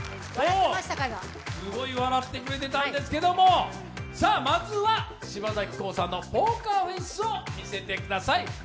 すごい笑ってくれてたんですけれども、まずは柴咲コウさんのポーカーフェースを見せてください。